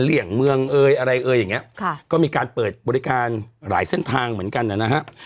เหลี่ยงเมืองอะไรอย่างนี้ก็มีการเปิดบริการหลายเส้นทางเหมือนกันนะฮะ